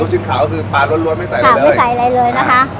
ลูกชิ้นขาวก็คือปลาร้วนร้วนไม่ใส่อะไรเลยขาวไม่ใส่อะไรเลยนะคะอ่า